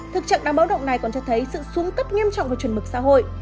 thực trạng đáng báo động này còn cho thấy sự xuống cấp nghiêm trọng và chuẩn mực xã hội